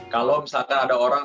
kalau misalnya ada orang